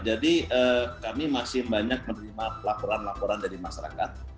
jadi kami masih banyak menerima laporan laporan dari masyarakat